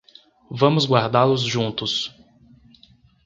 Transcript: Vamos guardá-los juntos.